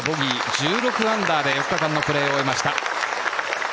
１６アンダーで４日間のプレーを終えました。